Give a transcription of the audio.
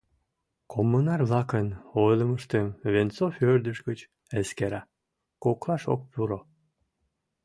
Коммунар-влакын ойлымыштым Венцов ӧрдыж гыч эскера, коклаш ок пуро.